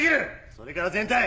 それから全体！